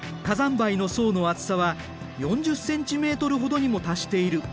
灰の層の厚さは４０ｃｍほどにも達している。